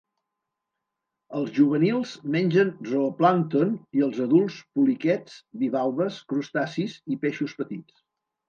Els juvenils mengen zooplàncton i els adults poliquets, bivalves, crustacis i peixos petits.